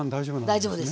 大丈夫です。